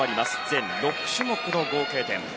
全６種目の合計点。